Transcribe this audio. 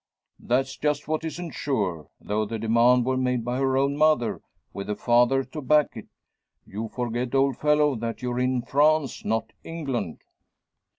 "That's just what isn't sure though the demand were made by her own mother, with the father to back it. You forget, old fellow, that you're in France, not England."